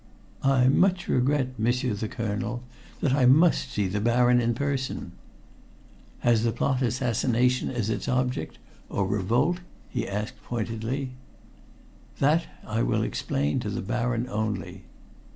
"I much regret, M'sieur the Colonel, that I must see the Baron in person." "Has the plot assassination as its object or revolt?" he asked pointedly. "That I will explain to the Baron only."